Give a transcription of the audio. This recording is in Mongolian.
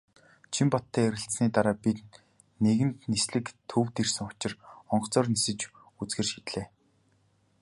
Чинбаттай ярилцсаны дараа бид нэгэнт "Нислэг" төвд ирсэн учир онгоцоор нисэж үзэхээр шийдлээ.